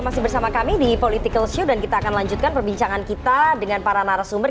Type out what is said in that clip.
masih bersama kami di political show dan kita akan lanjutkan perbincangan kita dengan para narasumber